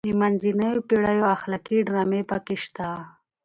د منځنیو پیړیو اخلاقي ډرامې پکې شته.